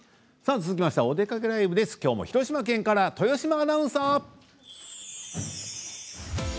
続きまして「おでかけＬＩＶＥ」です。きょうも広島県から豊島アナウンサー。